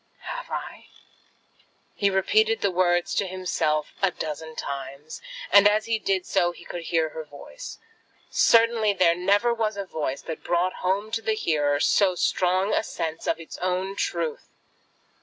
"Have I?" he repeated the words to himself a dozen times, and as he did so, he could hear her voice. Certainly there never was a voice that brought home to the hearer so strong a sense of its own truth!